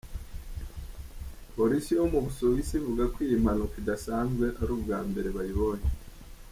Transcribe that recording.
Polisi yo mu Busuwiwsi ivuga ko iyi mpanuka idasanzwe ari ubwa mbere bayibonye.